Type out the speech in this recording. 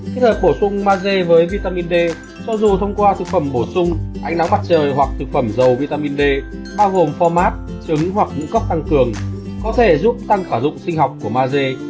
kết hợp bổ sung maze với vitamin d cho dù thông qua thực phẩm bổ sung ánh nắng mặt trời hoặc thực phẩm dầu vitamin d bao gồm phomat trứng hoặc ngũ cốc tăng cường có thể giúp tăng khả dụng sinh học của mag dê